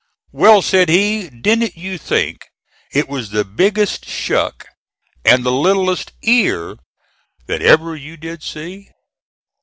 "Well," said he, "didn't you think it was the biggest shuck and the littlest ear that ever you did see?"